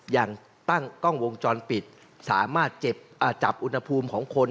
ยังตั้งกล้องวงจรปิดสามารถจับอุณหภูมิของคน